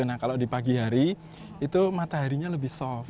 nah kalau di pagi hari itu mataharinya lebih soft